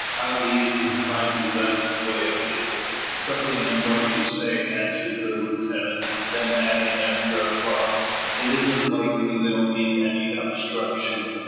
How d'ye incline to that way of it?" "Something in what you say," answers the lieutenant. Then adding, after a pause, "It isn't likely they'll meet any obstruction.